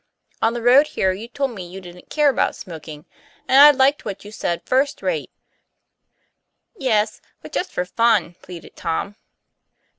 " On the road here you told me you didn't care about smoking, and I liked what you said first rate." "Yes; but just for fun," pleaded Tom.